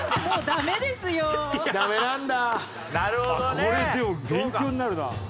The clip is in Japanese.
これでも勉強になるな。